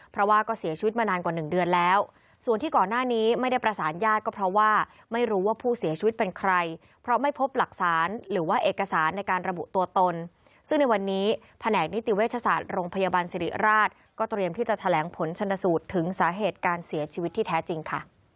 เพราะว่าก็เสียชีวิตมานานกว่าหนึ่งเดือนแล้วส่วนที่ก่อนหน้านี้ไม่ได้ประสานญาติก็เพราะว่าไม่รู้ว่าผู้เสียชีวิตเป็นใครเพราะไม่พบหลักฐานหรือว่าเอกสารในการระบุตัวตนซึ่งในวันนี้แผนกนิติเวชศาสตร์โรงพยาบาลสิริราชก็เตรียมที่จะแถลงผลชนสูตรถึงสาเหตุการเสียชีวิตที่แท้จริงค่ะ